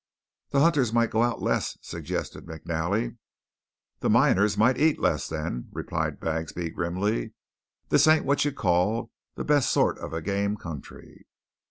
"The hunters might go out less," suggested McNally. "The miners might eat less, then," replied Bagsby grimly. "This ain't what you'd call the best sort of a game country."